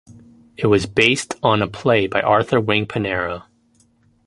It was based on a play by Arthur Wing Pinero.